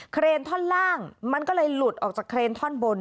เครนท่อนล่างมันก็เลยหลุดออกจากเครนท่อนบน